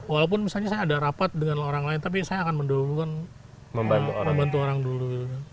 walaupun misalnya saya ada rapat dengan orang lain tapi saya akan mendahulukan membantu orang dulu